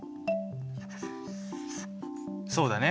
そうだね。